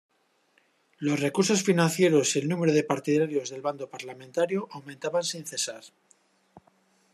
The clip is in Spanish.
Los recursos financieros y el número de partidarios del bando parlamentario aumentaban sin cesar.